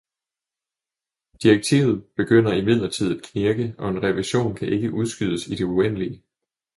Direktivet begynder imidlertid at knirke, og en revision kan ikke udskydes i det uendelige.